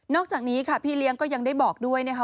อกจากนี้ค่ะพี่เลี้ยงก็ยังได้บอกด้วยนะคะ